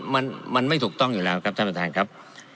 มันไม่ถูกต้องอยู่แล้วครับท่านประธานครับ